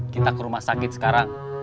kita ke rumah sakit sekarang